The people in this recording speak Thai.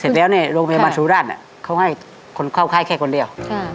เสร็จแล้วเนี่ยโรงพยาบาลสุราชเขาให้คนเข้าค่ายแค่คนเดียว